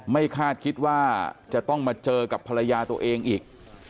คาดคิดว่าจะต้องมาเจอกับภรรยาตัวเองอีก